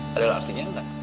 padahal artinya enggak